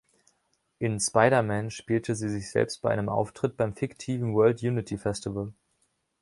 In "Spider-Man" spielte sie sich selbst bei einem Auftritt beim fiktiven World Unity Festival.